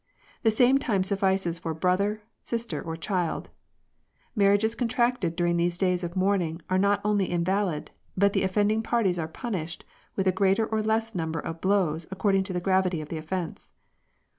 The same time suffices for brother, sister, or child. Marriages contracted during these days of mourning are not only invalid, but the offend ing parties are punished with a greater or less number of blows according to the gravity of the offence.